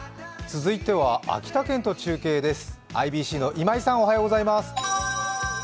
続いては秋田県と中継です。